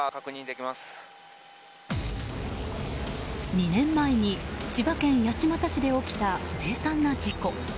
２年前に千葉県八街市で起きた凄惨な事件。